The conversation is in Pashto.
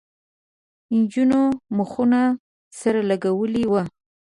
نجونو مخونه سره لگولي وو.